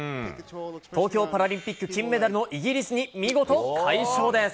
東京パラリンピック金メダルのイギリスに見事、快勝です。